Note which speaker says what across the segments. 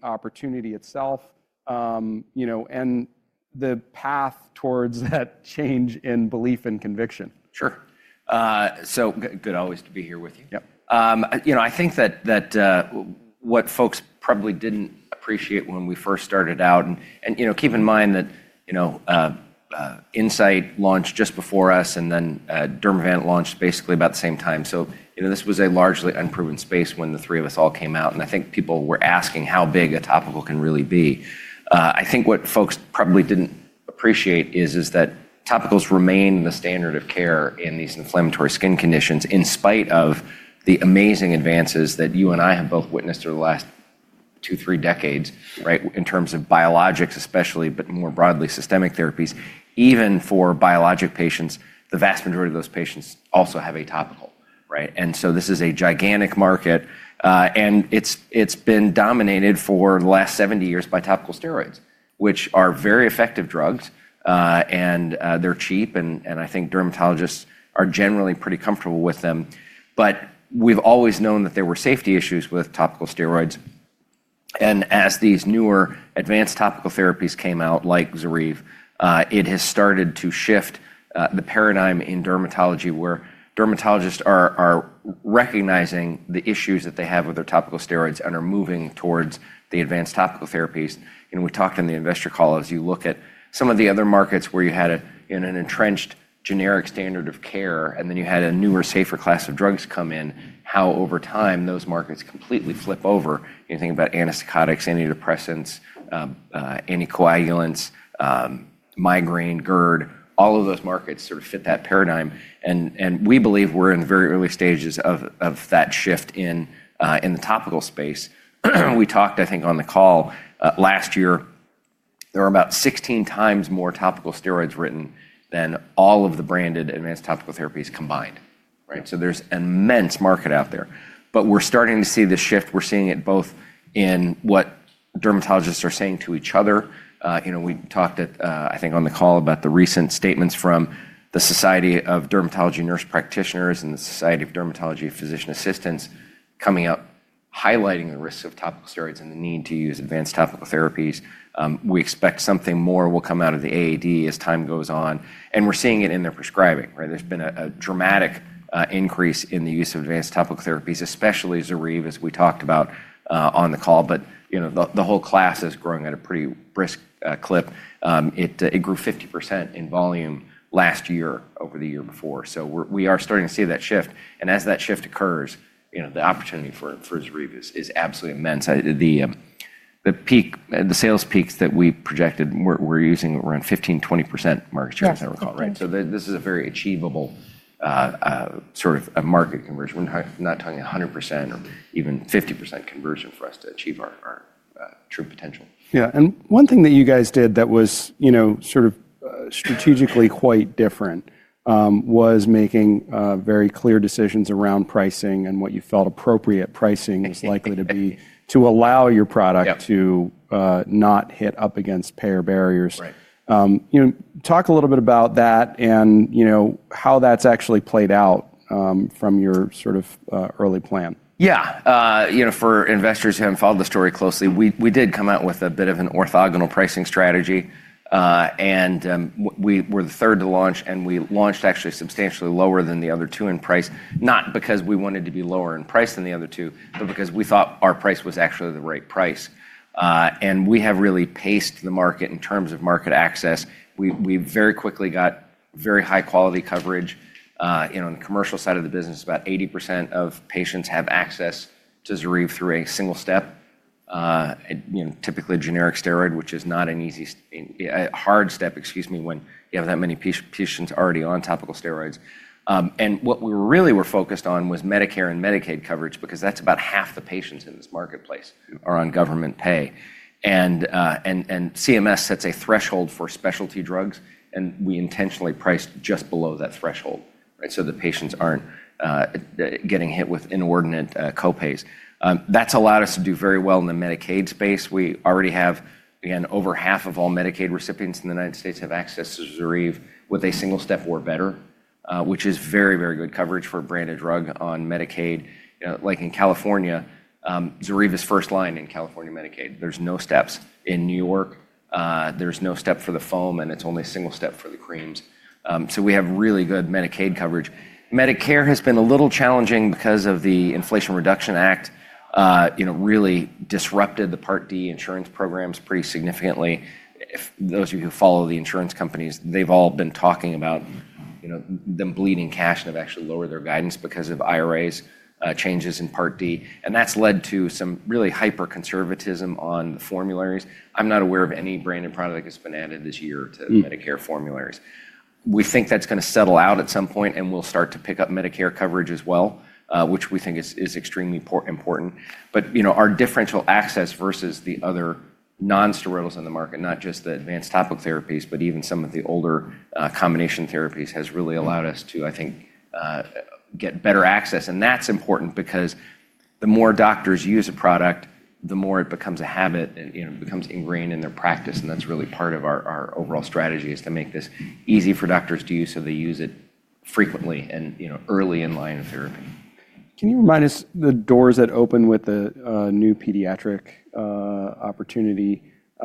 Speaker 1: The opportunity itself, you know, and the path towards that change in belief and conviction.
Speaker 2: Sure. So good always to be here with you.
Speaker 1: Yep.
Speaker 2: You know, I think that what folks probably did not appreciate when we first started out, and, you know, keep in mind that Insight launched just before us, and then Dermavant launched basically about the same time. This was a largely unproven space when the three of us all came out, and I think people were asking how big a topical can really be. I think what folks probably did not appreciate is that topicals remain the standard of care in these inflammatory skin conditions in spite of the amazing advances that you and I have both witnessed over the last two, three decades, right, in terms of biologics especially, but more broadly systemic therapies. Even for biologic patients, the vast majority of those patients also have a topical, right? This is a gigantic market, and it's been dominated for the last 70 years by topical steroids, which are very effective drugs, they're cheap, and I think dermatologists are generally pretty comfortable with them. We've always known that there were safety issues with topical steroids. As these newer advanced topical therapies came out, like Zoryve, it has started to shift the paradigm in dermatology where dermatologists are recognizing the issues that they have with their topical steroids and are moving towards the advanced topical therapies. You know, we talked on the Investor Call, as you look at some of the other markets where you had an entrenched generic standard of care, and then you had a newer, safer class of drugs come in, how over time those markets completely flip over. You think about anesthetics, antidepressants, anticoagulants, migraine, GERD, all of those markets sort of fit that paradigm. We believe we're in very early stages of that shift in the topical space. We talked, I think, on the call, last year, there were about 16 times more topical steroids written than all of the branded advanced topical therapies combined, right? There is an immense market out there. We're starting to see the shift. We're seeing it both in what dermatologists are saying to each other. You know, we talked at, I think on the call about the recent statements from the Society of Dermatology Nurse Practitioners and the Society of Dermatology Physician Assistants coming out highlighting the risks of topical steroids and the need to use advanced topical therapies. We expect something more will come out of the AED as time goes on. We're seeing it in their prescribing, right? There's been a dramatic increase in the use of advanced topical therapies, especially Zoryve, as we talked about on the call. You know, the whole class is growing at a pretty brisk clip. It grew 50% in volume last year over the year before. We are starting to see that shift. As that shift occurs, you know, the opportunity for Zoryve is absolutely immense. The sales peaks that we projected were using around 15-20% market share as I recall, right? This is a very achievable sort of a market conversion. We're not talking 100% or even 50% conversion for us to achieve our true potential.
Speaker 1: Yeah. One thing that you guys did that was, you know, sort of, strategically quite different, was making very clear decisions around pricing and what you felt appropriate pricing was likely to be to allow your product to not hit up against payer barriers.
Speaker 2: Right.
Speaker 1: you know, talk a little bit about that and, you know, how that's actually played out, from your sort of early plan.
Speaker 2: Yeah. You know, for investors who have not followed the story closely, we did come out with a bit of an orthogonal pricing strategy. We were the third to launch, and we launched actually substantially lower than the other two in price, not because we wanted to be lower in price than the other two, but because we thought our price was actually the right price. We have really paced the market in terms of market access. We very quickly got very high-quality coverage. You know, on the commercial side of the business, about 80% of patients have access to Zoryve through a single step, you know, typically a generic steroid, which is not an easy, hard step, excuse me, when you have that many patients already on topical steroids. What we really were focused on was Medicare and Medicaid coverage because that's about half the patients in this marketplace are on government pay. CMS sets a threshold for specialty drugs, and we intentionally priced just below that threshold, right? So the patients aren't getting hit with inordinate copays. That's allowed us to do very well in the Medicaid space. We already have, again, over half of all Medicaid recipients in the United States have access to Zoryve. With a single step or better, which is very, very good coverage for a branded drug on Medicaid. You know, like in California, Zoryve is first line in California Medicaid. There's no steps in New York. There's no step for the foam, and it's only a single step for the creams. We have really good Medicaid coverage. Medicare has been a little challenging because of the Inflation Reduction Act, you know, really disrupted the Part D insurance programs pretty significantly. If those of you who follow the insurance companies, they've all been talking about, you know, them bleeding cash and have actually lowered their guidance because of IRA, changes in Part D. That has led to some really hyper-conservatism on the formularies. I'm not aware of any branded product that has been added this year to Medicare formularies. We think that's gonna settle out at some point, and we'll start to pick up Medicare coverage as well, which we think is, is extremely important. You know, our differential access versus the other non-steroidals in the market, not just the advanced topical therapies, but even some of the older, combination therapies has really allowed us to, I think, get better access. That is important because the more doctors use a product, the more it becomes a habit, and, you know, it becomes ingrained in their practice. That is really part of our overall strategy, to make this easy for doctors to use so they use it frequently and, you know, early in line of therapy.
Speaker 1: Can you remind us the doors that open with the new pediatric opportunity, you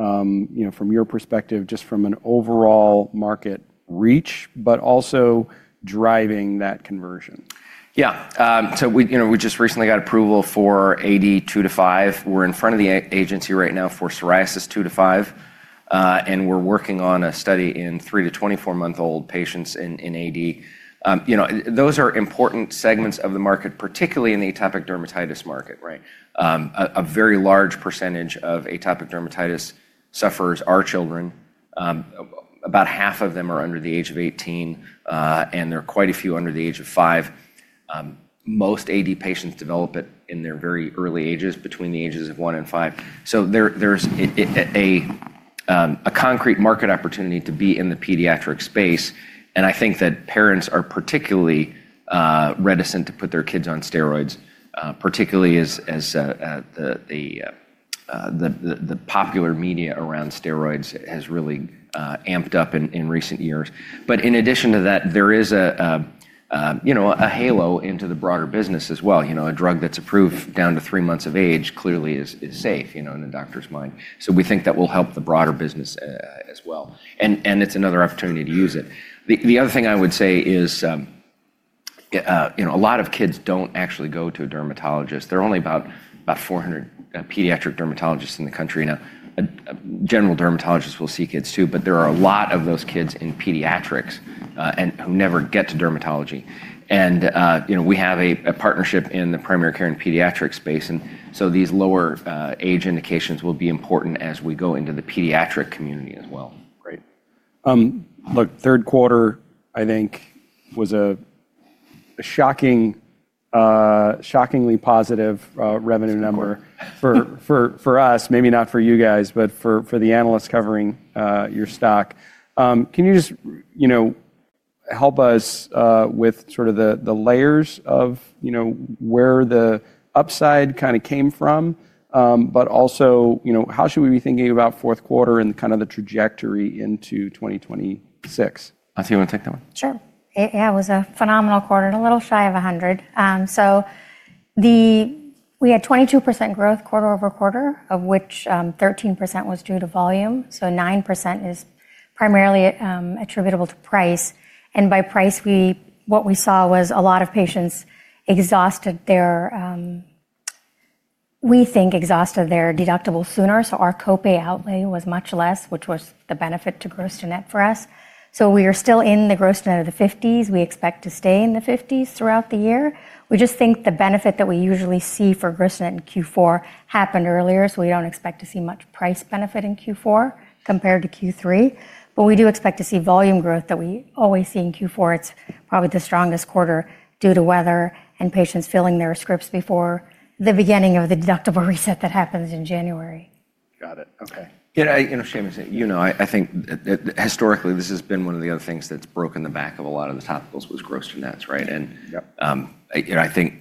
Speaker 1: know, from your perspective, just from an overall market reach, but also driving that conversion?
Speaker 2: Yeah. So we, you know, we just recently got approval for AD 2-5. We're in front of the agency right now for psoriasis 2-5, and we're working on a study in 3-24-month-old patients in, in AD. You know, those are important segments of the market, particularly in the atopic dermatitis market, right? A very large percentage of atopic dermatitis sufferers are children. About half of them are under the age of 18, and there are quite a few under the age of five. Most AD patients develop it in their very early ages, between the ages of one and five. There is a concrete market opportunity to be in the pediatric space. I think that parents are particularly reticent to put their kids on steroids, particularly as the popular media around steroids has really amped up in recent years. In addition to that, there is a halo into the broader business as well. You know, a drug that is approved down to three months of age clearly is safe, you know, in the doctor's mind. We think that will help the broader business as well. It is another opportunity to use it. The other thing I would say is, you know, a lot of kids do not actually go to a dermatologist. There are only about 400 pediatric dermatologists in the country. Now, general dermatologists will see kids too, but there are a lot of those kids in pediatrics who never get to dermatology. You know, we have a partnership in the primary care and pediatric space. And so these lower age indications will be important as we go into the pediatric community as well.
Speaker 1: Great. Look, third quarter, I think, was a shockingly positive revenue number for us, maybe not for you guys, but for the analysts covering your stock. Can you just, you know, help us with sort of the layers of, you know, where the upside kind of came from, but also, you know, how should we be thinking about fourth quarter and kind of the trajectory into 2026?
Speaker 2: I see you wanna take that one.
Speaker 3: Sure. Yeah, it was a phenomenal quarter, a little shy of a hundred. So, we had 22% growth quarter-over quarter, of which 13% was due to volume. So 9% is primarily attributable to price. And by price, we, what we saw was a lot of patients exhausted their, we think exhausted their deductible sooner. So our copay outlay was much less, which was the benefit to gross to net for us. So we are still in the gross to net of the 50s. We expect to stay in the 50s throughout the year. We just think the benefit that we usually see for gross to net in Q4 happened earlier. So we do not expect to see much price benefit in Q4 compared to Q3. But we do expect to see volume growth that we always see in Q4. It's probably the strongest quarter due to weather and patients filling their scripts before the beginning of the deductible reset that happens in January.
Speaker 1: Got it. Okay.
Speaker 2: You know, Shamus, I think that historically this has been one of the other things that's broken the back of a lot of the topicals was gross to nets, right? And, you know, I think,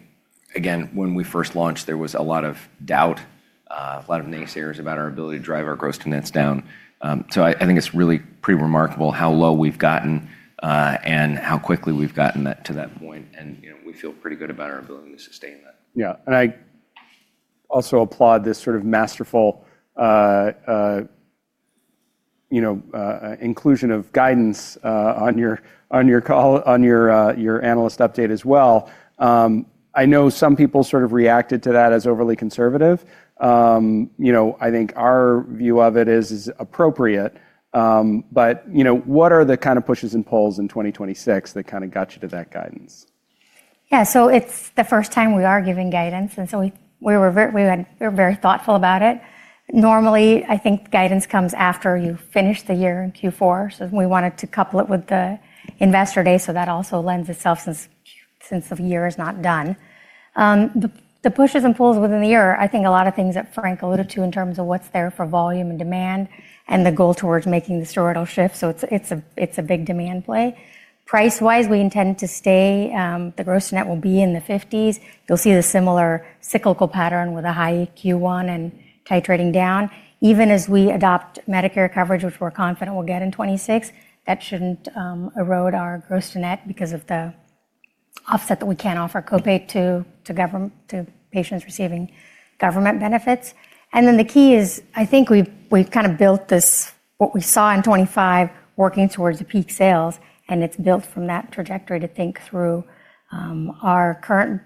Speaker 2: again, when we first launched, there was a lot of doubt, a lot of naysayers about our ability to drive our gross to nets down. I think it's really pretty remarkable how low we've gotten, and how quickly we've gotten to that point. You know, we feel pretty good about our ability to sustain that.
Speaker 1: Yeah. I also applaud this sort of masterful, you know, inclusion of guidance on your call, on your analyst update as well. I know some people sort of reacted to that as overly conservative. You know, I think our view of it is appropriate. What are the kind of pushes and pulls in 2026 that kind of got you to that guidance?
Speaker 3: Yeah. It is the first time we are giving guidance. We were very, we had, we were very thoughtful about it. Normally, I think guidance comes after you finish the year in Q4. We wanted to couple it with the investor day so that also lends itself since the year is not done. The pushes and pulls within the year, I think a lot of things that Frank alluded to in terms of what is there for volume and demand and the goal towards making the storytell shift. It is a big demand play. Price-wise, we intend to stay, the gross to net will be in the 50s. You will see the similar cyclical pattern with a high Q1 and titrating down. Even as we adopt Medicare coverage, which we're confident we'll get in 2026, that shouldn't erode our gross to net because of the offset that we can't offer copay to patients receiving government benefits. The key is, I think we've kind of built this, what we saw in 2025, working towards a peak sales. It's built from that trajectory to think through our current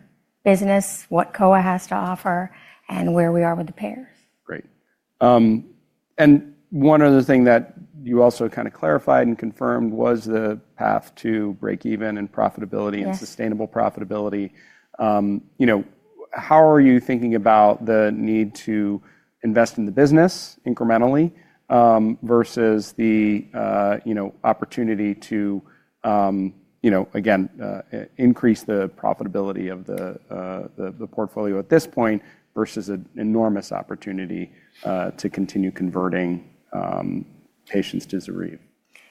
Speaker 3: business, what COA has to offer, and where we are with the payers.
Speaker 1: Great. And one other thing that you also kind of clarified and confirmed was the path to breakeven and profitability and sustainable profitability. You know, how are you thinking about the need to invest in the business incrementally, versus the, you know, opportunity to, you know, again, increase the profitability of the portfolio at this point versus an enormous opportunity to continue converting patients to Zoryve.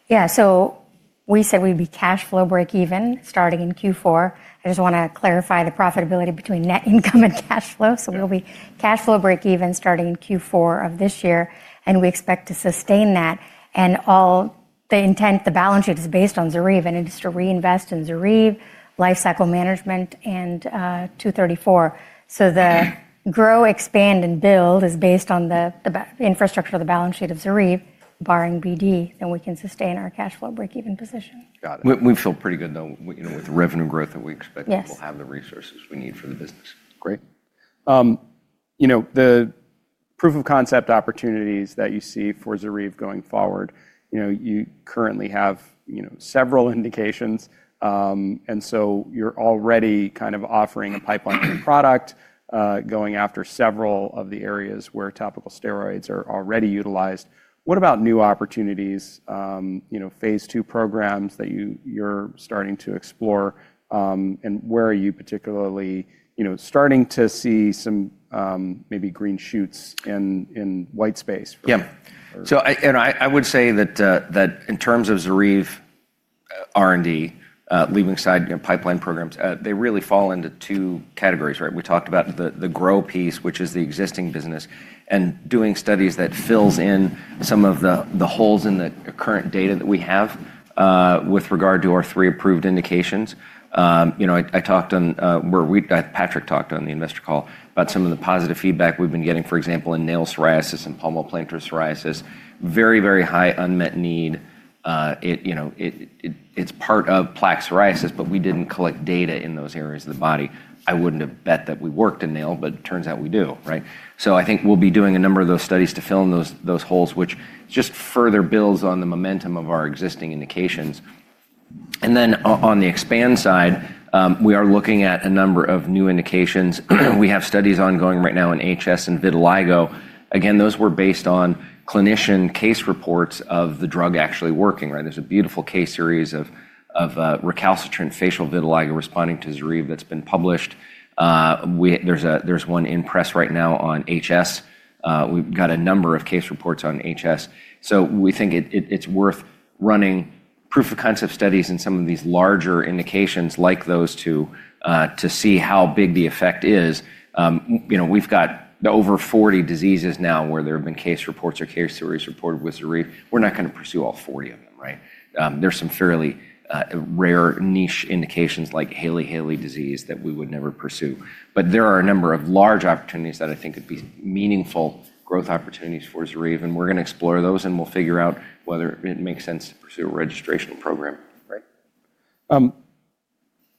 Speaker 3: Yeah. So we said we'd be cash flow breakeven starting in Q4. I just wanna clarify the profitability between net income and cash flow. We'll be cash flow breakeven starting in Q4 of this year. We expect to sustain that. All the intent, the balance sheet is based on Zoryve. It is to reinvest in Zoryve, life cycle management, and 234. The grow, expand, and build is based on the infrastructure of the balance sheet of Zoryve, barring BD, then we can sustain our cash flow breakeven position.
Speaker 1: Got it.
Speaker 2: We feel pretty good though, you know, with the revenue growth that we expect.
Speaker 1: Yes.
Speaker 2: We'll have the resources we need for the business.
Speaker 1: Great. You know, the proof of concept opportunities that you see for Zoryve going forward, you know, you currently have, you know, several indications. And so you're already kind of offering a pipeline product, going after several of the areas where topical steroids are already utilized. What about new opportunities, you know, phase two programs that you, you're starting to explore, and where are you particularly, you know, starting to see some, maybe green shoots in, in white space?
Speaker 2: Yeah. I would say that, in terms of Zoryve R&D, leaving aside pipeline programs, they really fall into two categories, right? We talked about the grow piece, which is the existing business, and doing studies that fill in some of the holes in the current data that we have, with regard to our three approved indications. I talked on, Patrick talked on the investor call about some of the positive feedback we've been getting, for example, in nail psoriasis and palmar plantar psoriasis, very, very high unmet need. It is part of plaque psoriasis, but we did not collect data in those areas of the body. I would not have bet that we worked in nail, but it turns out we do, right? I think we'll be doing a number of those studies to fill in those holes, which just further builds on the momentum of our existing indications. On the expand side, we are looking at a number of new indications. We have studies ongoing right now in HS and vitiligo. Again, those were based on clinician case reports of the drug actually working, right? There's a beautiful case series of recalcitrant facial vitiligo responding to Zoryve that's been published. There's one in press right now on HS. We've got a number of case reports on HS. We think it's worth running proof of concept studies in some of these larger indications like those to see how big the effect is. You know, we've got over 40 diseases now where there have been case reports or case stories reported with Zoryve. We're not gonna pursue all 40 of them, right? There's some fairly rare, niche indications like Haley Haley disease that we would never pursue. There are a number of large opportunities that I think would be meaningful growth opportunities for Zoryve. We're gonna explore those and we'll figure out whether it makes sense to pursue a registration program, right?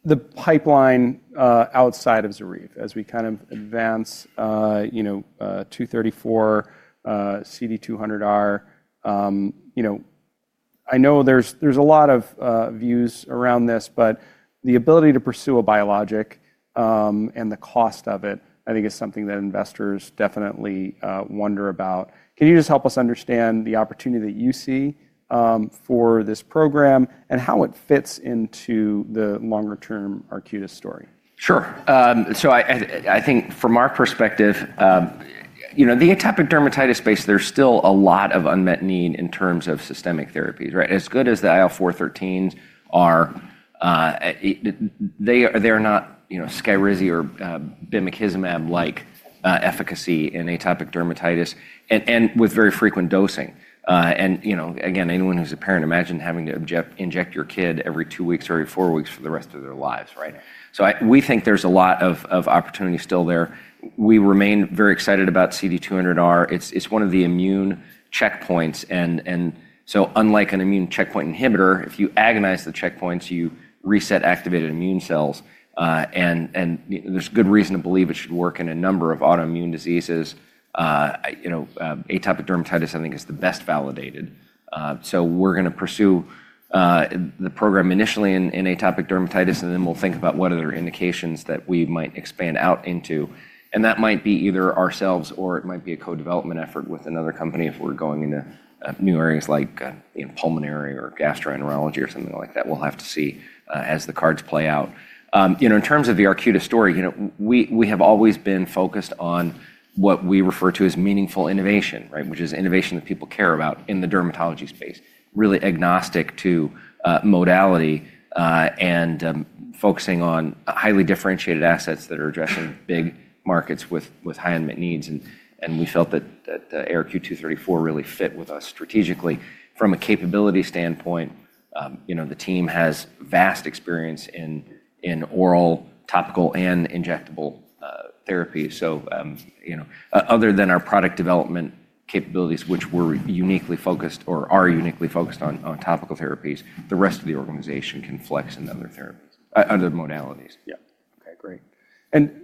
Speaker 1: the pipeline, outside of Zoryve, as we kind of advance, you know, 234, CD200R, you know, I know there's, there's a lot of views around this, but the ability to pursue a biologic, and the cost of it, I think is something that investors definitely wonder about. Can you just help us understand the opportunity that you see for this program and how it fits into the longer-term Arcutis story?
Speaker 2: Sure. I think from our perspective, you know, the atopic dermatitis space, there's still a lot of unmet need in terms of systemic therapies, right? As good as the IL-413s are, they're not, you know, Skyrizi or Bimzelx-like efficacy in atopic dermatitis and with very frequent dosing. You know, again, anyone who's a parent, imagine having to inject your kid every two weeks or every four weeks for the rest of their lives, right? We think there's a lot of opportunity still there. We remain very excited about CD200R. It's one of the immune checkpoints. Unlike an immune checkpoint inhibitor, if you agonize the checkpoints, you reset activated immune cells. There's good reason to believe it should work in a number of autoimmune diseases. You know, atopic dermatitis I think is the best validated. We're gonna pursue the program initially in atopic dermatitis, and then we'll think about what other indications that we might expand out into. That might be either ourselves or it might be a co-development effort with another company if we're going into new areas like, you know, pulmonary or gastroenterology or something like that. We'll have to see as the cards play out. You know, in terms of the Arcutis story, you know, we have always been focused on what we refer to as meaningful innovation, right? Which is innovation that people care about in the dermatology space, really agnostic to modality, and focusing on highly differentiated assets that are addressing big markets with high unmet needs. We felt that ARQ 234 really fit with us strategically from a capability standpoint. You know, the team has vast experience in oral, topical, and injectable therapy. So, you know, other than our product development capabilities, which we're uniquely focused or are uniquely focused on topical therapies, the rest of the organization can flex in other therapies, other modalities.
Speaker 1: Yeah. Okay. Great. And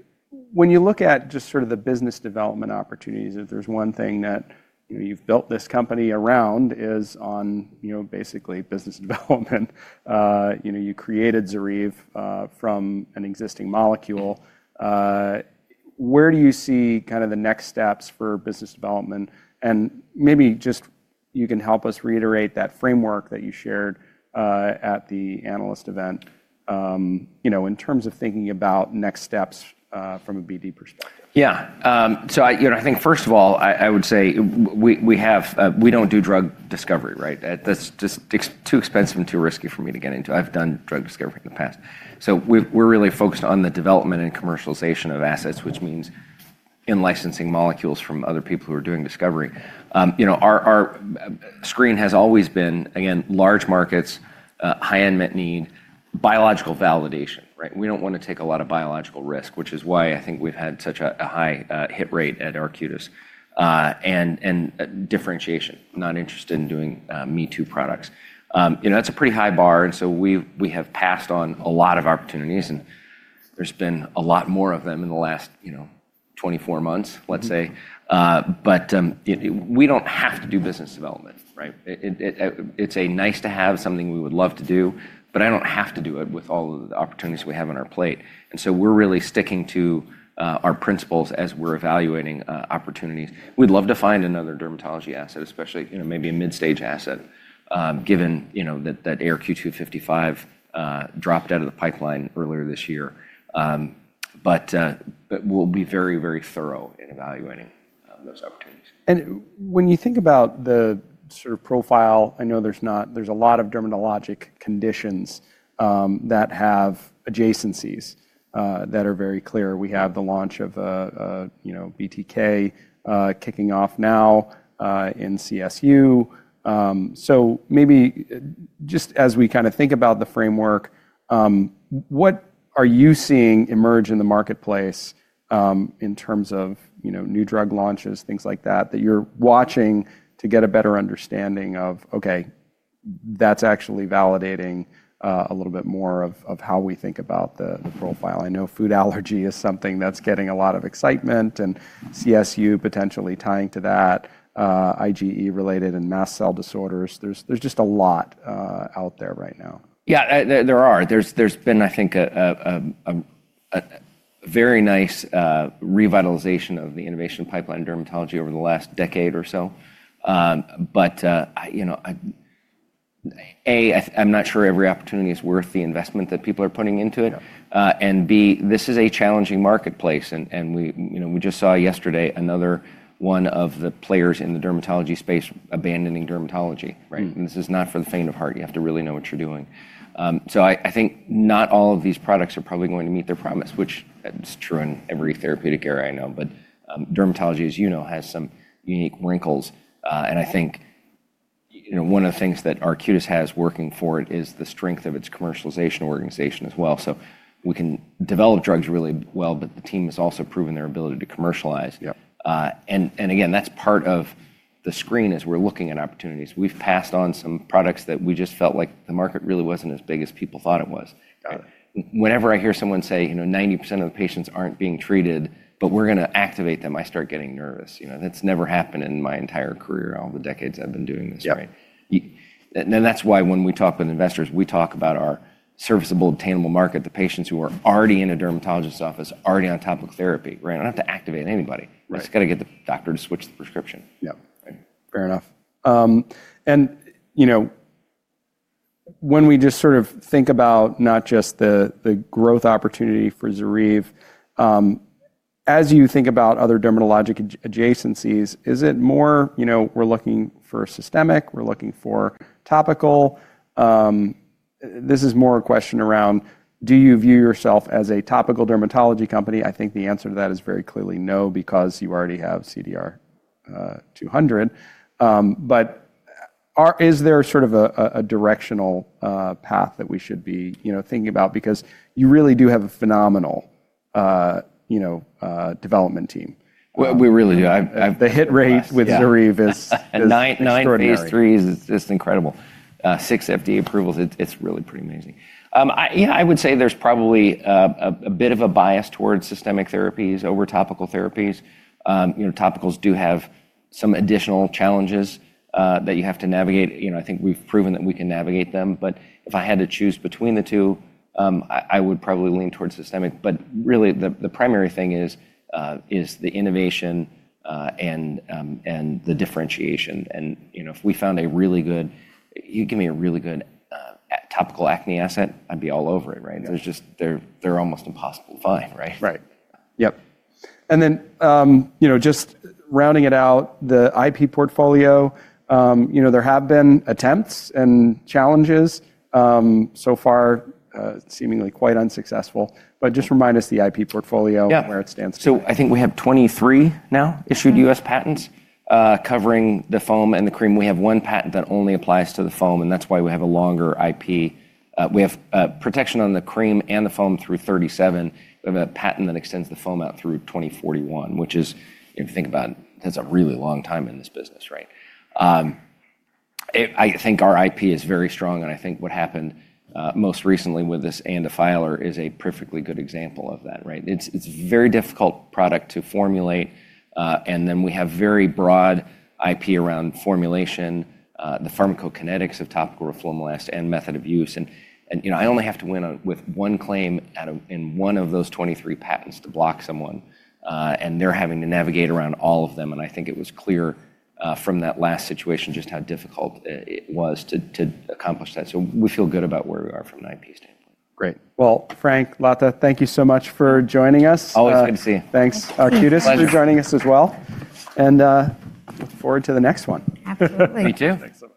Speaker 1: when you look at just sort of the business development opportunities, if there's one thing that, you know, you've built this company around is on, you know, basically business development, you know, you created Zoryve, from an existing molecule. Where do you see kind of the next steps for business development? And maybe just you can help us reiterate that framework that you shared, at the analyst event, you know, in terms of thinking about next steps, from a BD perspective.
Speaker 2: Yeah. So I, you know, I think first of all, I would say we don't do drug discovery, right? That's just too expensive and too risky for me to get into. I've done drug discovery in the past. We're really focused on the development and commercialization of assets, which means in licensing molecules from other people who are doing discovery. You know, our screen has always been, again, large markets, high unmet need, biological validation, right? We don't want to take a lot of biological risk, which is why I think we've had such a high hit rate at Arcutis. And differentiation, not interested in doing me too products. You know, that's a pretty high bar. We have passed on a lot of opportunities and there's been a lot more of them in the last, you know, 24 months, let's say. You know, we don't have to do business development, right? It is a nice to have, something we would love to do, but I don't have to do it with all of the opportunities we have on our plate. We are really sticking to our principles as we're evaluating opportunities. We'd love to find another dermatology asset, especially, you know, maybe a mid-stage asset, given, you know, that ARQ 255 dropped out of the pipeline earlier this year. We will be very, very thorough in evaluating those opportunities.
Speaker 1: When you think about the sort of profile, I know there's not, there's a lot of dermatologic conditions that have adjacencies that are very clear. We have the launch of a, you know, BTK, kicking off now in CSU. Maybe just as we kind of think about the framework, what are you seeing emerge in the marketplace, in terms of, you know, new drug launches, things like that, that you're watching to get a better understanding of, okay, that's actually validating a little bit more of how we think about the profile. I know food allergy is something that's getting a lot of excitement and CSU potentially tying to that, IGE related and mast cell disorders. There's just a lot out there right now.
Speaker 2: Yeah, there are, there's been, I think, a very nice revitalization of the innovation pipeline in dermatology over the last decade or so. But I, you know, I, A, I'm not sure every opportunity is worth the investment that people are putting into it. And B, this is a challenging marketplace. And we, you know, we just saw yesterday another one of the players in the dermatology space abandoning dermatology, right? This is not for the faint of heart. You have to really know what you're doing. So I think not all of these products are probably going to meet their promise, which is true in every therapeutic area I know, but dermatology, as you know, has some unique wrinkles. and I think, you know, one of the things that Arcutis has working for it is the strength of its commercialization organization as well. So we can develop drugs really well, but the team has also proven their ability to commercialize.
Speaker 1: Yep.
Speaker 2: And again, that's part of the screen as we're looking at opportunities. We've passed on some products that we just felt like the market really wasn't as big as people thought it was.
Speaker 1: Got it.
Speaker 2: Whenever I hear someone say, you know, 90% of the patients aren't being treated, but we're gonna activate them, I start getting nervous. You know, that's never happened in my entire career, all the decades I've been doing this, right?
Speaker 1: Yeah.
Speaker 2: That is why when we talk with investors, we talk about our serviceable, attainable market, the patients who are already in a dermatologist's office, already on topical therapy, right? I do not have to activate anybody.
Speaker 1: Right.
Speaker 2: It's gotta get the doctor to switch the prescription.
Speaker 1: Yep. Fair enough. And you know, when we just sort of think about not just the growth opportunity for Zoryve, as you think about other dermatologic adjacencies, is it more, you know, we're looking for systemic, we're looking for topical? This is more a question around, do you view yourself as a topical dermatology company? I think the answer to that is very clearly no, because you already have CD200R. But is there sort of a directional path that we should be, you know, thinking about? Because you really do have a phenomenal, you know, development team.
Speaker 2: We really do. I.
Speaker 1: The hit rate with Zoryve is.
Speaker 2: Nine, nine phase threes is just incredible. Six FDA approvals. It is, it is really pretty amazing. I, you know, I would say there is probably a bit of a bias towards systemic therapies over topical therapies. You know, topicals do have some additional challenges that you have to navigate. You know, I think we have proven that we can navigate them. If I had to choose between the two, I would probably lean towards systemic. Really the primary thing is the innovation and the differentiation. You know, if we found a really good, you give me a really good topical acne asset, I would be all over it, right? There is just, they are, they are almost impossible to find, right?
Speaker 1: Right. Yep. And then, you know, just rounding it out, the IP portfolio, you know, there have been attempts and challenges, so far, seemingly quite unsuccessful, but just remind us the IP portfolio.
Speaker 2: Yeah.
Speaker 1: Where it stands today.
Speaker 2: I think we have 23 now issued U.S. patents, covering the foam and the cream. We have one patent that only applies to the foam, and that's why we have a longer IP. We have protection on the cream and the foam through 2037. We have a patent that extends the foam out through 2041, which is, you know, think about, that's a really long time in this business, right? I think our IP is very strong. I think what happened most recently with this and a filer is a perfectly good example of that, right? It's a very difficult product to formulate. We have very broad IP around formulation, the pharmacokinetics of topical roflumilast, and method of use. You know, I only have to win with one claim out of one of those 23 patents to block someone. they're having to navigate around all of them. I think it was clear, from that last situation just how difficult it was to accomplish that. We feel good about where we are from an IP standpoint.
Speaker 1: Great. Frank, Lata, thank you so much for joining us.
Speaker 2: Always good to see you.
Speaker 1: Thanks, Arcutis, for joining us as well. I look forward to the next one.
Speaker 3: Absolutely.
Speaker 2: Me too.